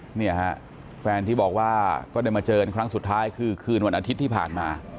เนี่ยฮะแฟนที่บอกว่าก็ได้มาเจอกันครั้งสุดท้ายคือคืนวันอาทิตย์ที่ผ่านมา